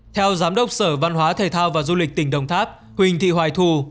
theo giám đốc sở văn hóa thể thao và du lịch tỉnh đồng tháp huỳnh thị hoài thù